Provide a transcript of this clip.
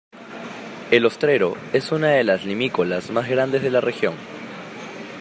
El ostrero es una de las limícolas más grandes de la región.